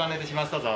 どうぞ。